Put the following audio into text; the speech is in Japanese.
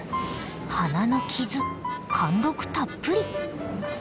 鼻の傷貫禄たっぷり。